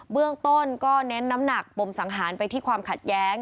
เบื้องต้นก็เน้นน้ำหนักปมสังหารไปที่ความขัดแย้ง